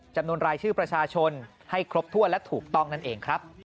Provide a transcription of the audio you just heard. จำนวนรายชื่อประชาชนให้ครบถ้วนและถูกต้องนั่นเองครับ